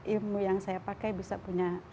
ilmu yang saya pakai bisa punya